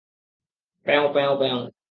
প্যাও, প্যাও, প্যাও।